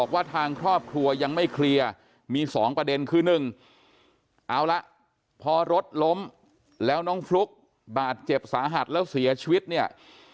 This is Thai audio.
เอาละพอรถล้มแล้วน้องฟลุ๊กบาดเจ็บสาหัสแล้วเสียชีวิตเนี่ย